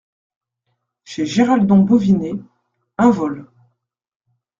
Chez Giraldon Bovinet, un vol.